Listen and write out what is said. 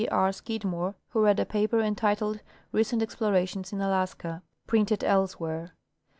R. Scidmore, who read a paper entitled " Recent Explorations in Alaska," printed elsewhere.